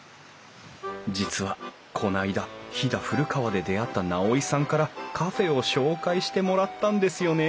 実はこないだ飛騨古川で出会った直井さんからカフェを紹介してもらったんですよね